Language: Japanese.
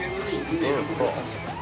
うん、そう。